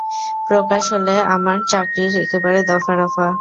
প্রকাশ হলে আমার চাকরির একেবারে দফা-রফা।